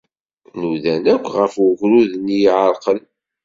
Nudan akk ɣef ugrud-nni ay iɛerqen.